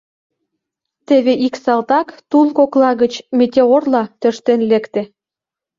Теве ик салтак тул кокла гыч метеорла тӧрштен лекте.